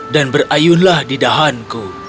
dan berayunlah di dahanku